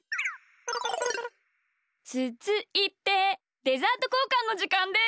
つづいてデザートこうかんのじかんです！